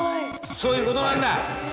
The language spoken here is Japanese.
◆そういうことなんだ。